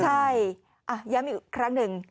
ใช่ย้ำอีกครั้งหนึ่ง